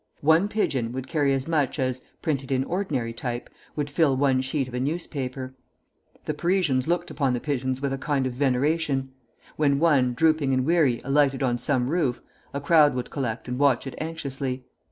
One pigeon would carry as much as, printed in ordinary type, would fill one sheet of a newspaper. The Parisians looked upon the pigeons with a kind of veneration; when one, drooping and weary, alighted on some roof, a crowd would collect and watch it anxiously.